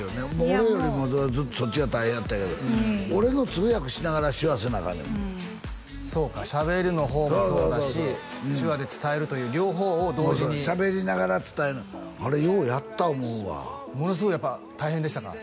俺よりもずっとそっちが大変やったけど俺の通訳しながら手話せなアカンねんもんそうかしゃべりの方もそうだし手話で伝えるという両方を同時にしゃべりながら伝えんのあれようやった思うわものすごいやっぱ大変でしたか？